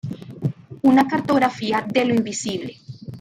Una cartografía de lo invisible".